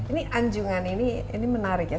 ini anjungan ini menarik ya